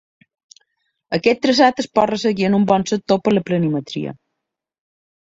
Aquest traçat es pot resseguir, en un bon sector, per la planimetria.